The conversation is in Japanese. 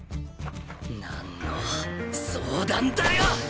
なんの相談だよ！